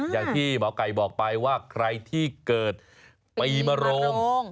อย่างที่หมอไก่บอกไปว่าใครที่เกิดปีมโรง